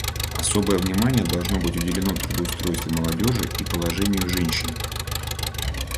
Особое внимание должно быть уделено трудоустройству молодежи и положению женщин.